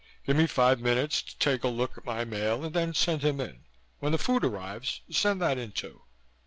Give me five minutes to take a look at my mail and then send him in. When the food arrives, send that in, too."